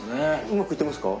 うまくいってますか？